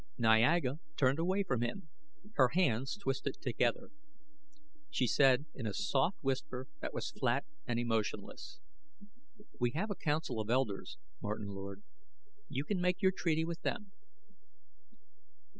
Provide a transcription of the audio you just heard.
Niaga turned away from him, her hands twisted together. She said, in a soft whisper that was flat and emotionless, "We have a council of elders, Martin Lord. You can make your treaty with them."